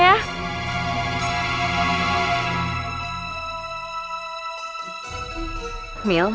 aku akan ambil uangnya